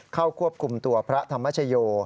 เข้าควบคุมตัวพระธรรมชโย